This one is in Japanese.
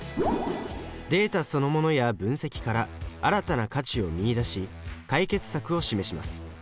データそのものや分析から新たな価値を見いだし解決策を示します。